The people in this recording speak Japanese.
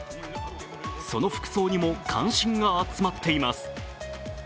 その服装にも関心が集まっています。